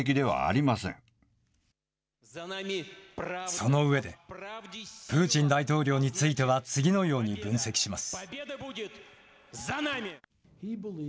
その上で、プーチン大統領については、次のように分析します。